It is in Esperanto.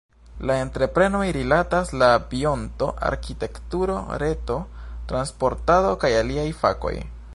La entreprenoj rilatas al bionto, arkitekturo, reto, transportado kaj aliaj fakoj.